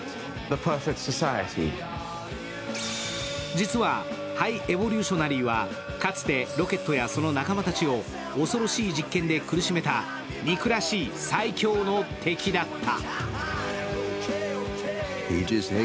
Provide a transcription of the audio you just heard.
実は、ハイ・エボリューショナリーはかつてロケットやその仲間たちを恐ろしい実験で苦しめた憎らしい最強の敵だった。